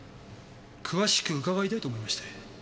詳しく伺いたいと思いまして。